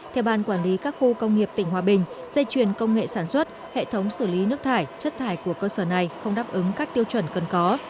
theo ban quản lý các khu công nghiệp tỉnh hòa bình dây chuyền công nghệ sản xuất hệ thống xử lý nước thải chất thải của cơ sở này không đáp ứng các tiêu chuẩn cần có